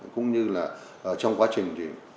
cũng như là trong quá trình